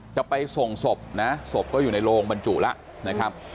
จะไปส่งศพศพก็อยู่ในโรงบรรจุละ